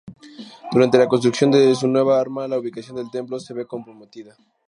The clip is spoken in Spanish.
Durante la construcción de su nueva arma, la ubicación del templo se ve comprometida.